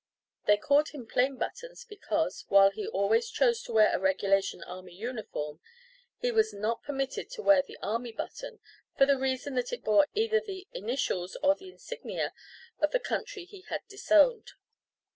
They called him "Plain Buttons," because, while he always chose to wear a regulation army uniform, he was not permitted to wear the army button, for the reason that it bore either the initials or the insignia of the country he had disowned.